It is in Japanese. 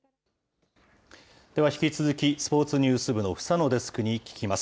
では引き続き、スポーツニュース部の房野デスクに聞きます。